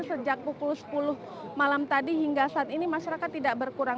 sejak pukul sepuluh malam tadi hingga saat ini masyarakat tidak berkurang